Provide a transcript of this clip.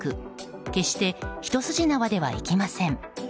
決して一筋縄では行きません。